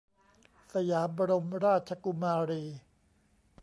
สยามบรมราชกุมารี